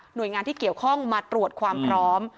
โดยงานที่เกี่ยวข้องมาตรวจความพร้อม